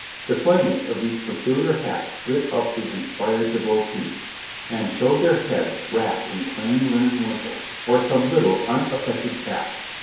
The flames of these peculiar hats lit up the inspired devotees, and showed their heads wrapped in plain linen wimples or some little unaffected caps.